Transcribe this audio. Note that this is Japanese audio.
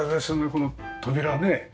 この扉ね。